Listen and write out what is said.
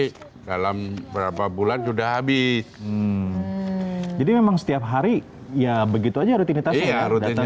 hai dalam berapa bulan sudah habis jadi memang setiap hari ya begitu aja rutinitasnya rutinnya